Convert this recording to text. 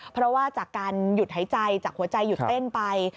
เพราะว่าจากการหยุดหายใจจากหัวใจหยุดเต้นไป